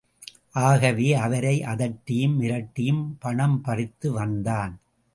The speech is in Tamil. ஆகவே, அவரை அதட்டியும், மிரட்டியும் பணம் பறித்து வந்தான்.